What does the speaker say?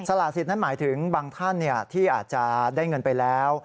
ละสิทธินั้นหมายถึงบางท่านที่อาจจะได้เงินไปแล้ว